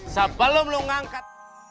sebelum lu ngangkat